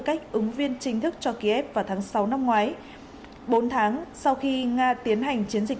cách ứng viên chính thức cho kiev vào tháng sáu năm ngoái bốn tháng sau khi nga tiến hành chiến dịch